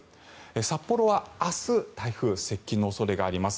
札幌は明日台風接近の恐れがあります。